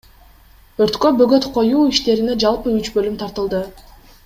Өрткө бөгөт коюу иштерине жалпы үч бөлүм тартылды.